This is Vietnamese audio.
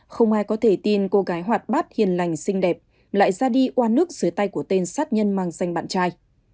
không ai có thể tin cô gái hoạt bát hiền lành xinh đẹp lại ra đi qua nước dưới tay của tên sát nhân mang danh bạn trai